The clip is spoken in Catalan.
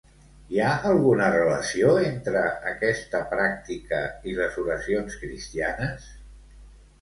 Hi ha alguna relació entre aquesta pràctica i les oracions cristianes?